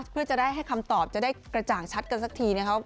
เพื่อจะได้ให้คำตอบจะได้กระจ่างชัดกันสักทีนะครับ